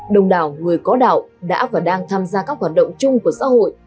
đồng đảo người có đạo đã và đang tham gia các hoạt động chung của xã hội